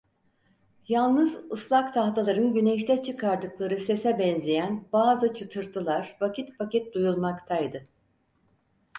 Yalnız ıslak tahtaların güneşte çıkardıkları sese benzeyen bazı çıtırtılar vakit vakit duyulmaktaydı.